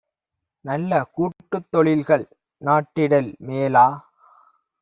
நல்லகூட் டுத்தொழில்கள் நாட்டிடல் மேலா?